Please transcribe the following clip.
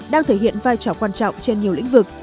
đang thể hiện vai trò quan trọng trên nhiều lĩnh vực